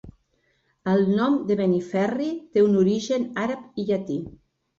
El nom de Beniferri té un origen àrab i llatí.